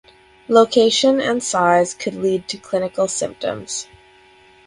Location and size could lead to clinical symptoms.